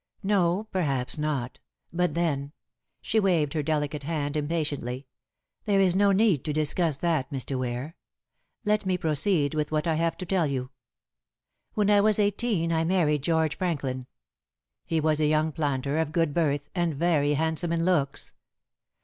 "No! Perhaps not. But then" she waved her delicate hand impatiently "there is no need to discuss that, Mr. Ware. Let me proceed with what I have to tell you. When I was eighteen I married George Franklin. He was a young planter of good birth, and very handsome in looks."